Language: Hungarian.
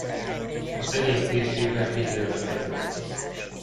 A tenyésztésével kísérleteznek.